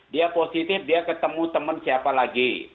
dia positif dia ketemu teman siapa lagi